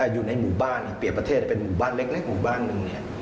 อยู่ในหมู่บ้านเปรียบประเทศเป็นหมู่บ้านเล็กหมู่บ้านหนึ่ง